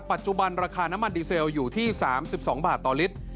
ปัจจุบันราคาน้ำมันดีเซลอยู่ที่๓๒บาทต่อลิตร